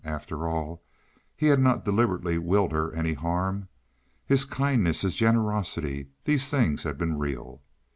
After all, he had not deliberately willed her any harm. His kindness, his generosity—these things had been real.